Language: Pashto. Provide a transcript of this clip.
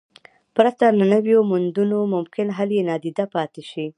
پرته له نویو موندنو ممکن حل یې ناپایده پاتې شي.